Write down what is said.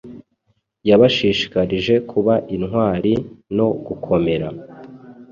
Yabashishikarije kuba intwari no gukomera